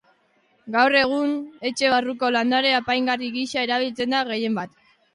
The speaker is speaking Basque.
Gaur egun, etxe barruko landare apaingarri gisa erabiltzen da gehienbat.